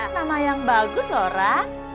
nama yang bagus loh ran